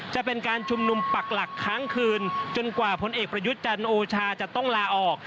จะเป็นการชุมนุมปักหลักค้างคืนจนกว่าผลเอกประยุทธ์จันทร์โอชาจะต้องลาออก